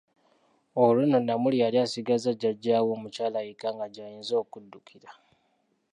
Olwo nno, Namuli yali asigaza jjaja we omukyala yekka nga gy'ayinza okuddukira.